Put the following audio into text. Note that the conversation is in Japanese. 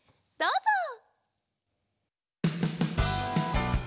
どうぞ！